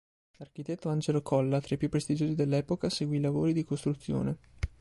L'architetto Angelo Colla, tra i più prestigiosi dell'epoca, seguì i lavori di costruzione.